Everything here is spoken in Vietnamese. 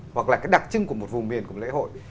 hoặc là cái đặc trưng của một vùng miền của lễ hội